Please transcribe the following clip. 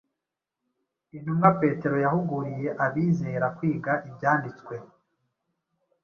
Intumwa petero yahuguriye abizera kwiga ibyanditswe